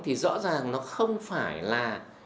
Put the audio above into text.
thì rõ ràng nó không phải là